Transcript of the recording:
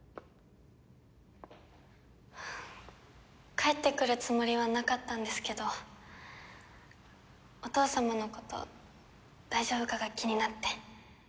帰ってくるつもりはなかったんですけどお父様のこと大丈夫かが気になって。